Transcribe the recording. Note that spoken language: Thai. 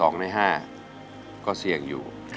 ๒ใน๕ก็เสี่ยงอยู่